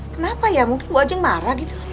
kenapa ya mungkin bu ajeng marah gitu